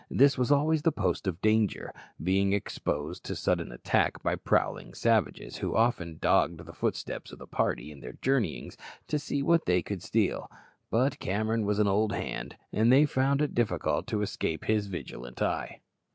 This was always the post of danger, being exposed to sudden attack by prowling savages, who often dogged the footsteps of the party in their journeyings to see what they could steal. But Cameron was an old hand, and they found it difficult to escape his vigilant eye.